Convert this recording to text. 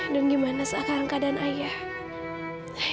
dan gimana sekarang keadaan ayah